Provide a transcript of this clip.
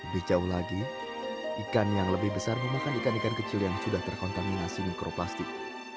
di jauh lagi ikan yang lebih besar memakan ikan ikan kecil yang sudah terkontaminasi mikroplastik